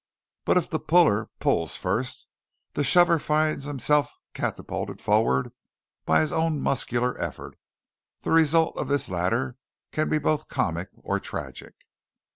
But if the puller pulls first, the shover finds himself catapulted forward by his own muscular effort. The results of this latter can be both comic or tragic.